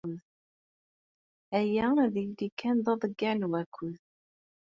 Aya ad yili kan d aḍeyyeɛ n wakud.